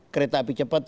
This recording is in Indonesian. kereta api cepat